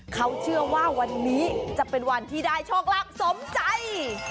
เขาเชื่อว่าวันนี้จะเป็นวันที่ได้โชคลาภสมใจ